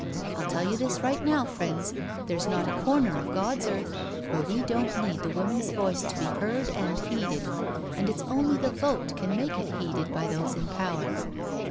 I'll tell you this right now, friends, there's not a comer of God's earth where we don't need the Woman's voice to be heard and heeded, and it's only the vote can make it heeded by those in power.